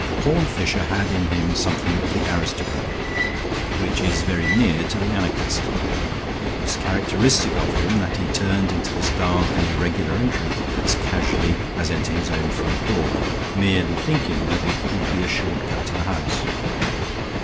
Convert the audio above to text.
Horne Fisher had in him something of the aristocrat, which is very near to the anarchist. It was characteristic of him that he turned into this dark and irregular entry as casually as into his own front door, merely thinking that it would be a short cut to the house.